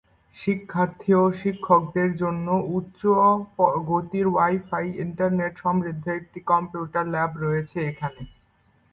শিক্ষার্থী এবং শিক্ষকদের জন্য উচ্চ গতির ওয়াই ফাই ইন্টারনেট সমৃদ্ধ একটি কম্পিউটার ল্যাব রয়েছে এখানে।